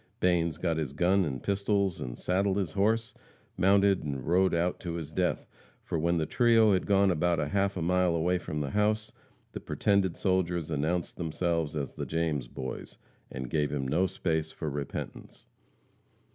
Banes got his gun and pistols and saddled his horse, mounted and rode out to his death, for when the trio had gone about half a mile away from the house, the pretended soldiers announced themselves as the James boys, and gave him no space for repentance.